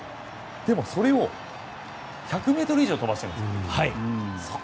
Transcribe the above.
でも、それを１００ｍ以上飛ばしてるんですよ。